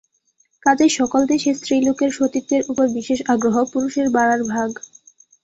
কাজেই সকল দেশে স্ত্রীলোকের সতীত্বের উপর বিশেষ আগ্রহ, পুরুষের বাড়ার ভাগ।